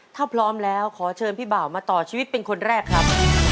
ถ้าพร้อมแล้วขอเชิญพี่บ่าวมาต่อชีวิตเป็นคนแรกครับ